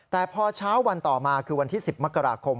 แต่พอเช้าวันต่อมาคือวันที่๑๐มกราคม